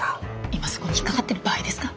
今そこに引っ掛かってる場合ですか？